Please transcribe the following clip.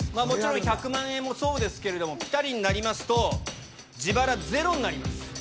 もちろん１００万円もそうですけれどもピタリになりますと自腹ゼロになります。